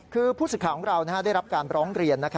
คือผู้สิทธิ์ของเราได้รับการร้องเรียน